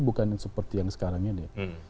bukan seperti yang sekarang ini